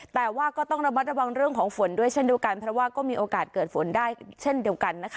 แต่ว่าก็ต้องระมัดระวังเรื่องของฝนด้วยเช่นเดียวกันเพราะว่าก็มีโอกาสเกิดฝนได้เช่นเดียวกันนะคะ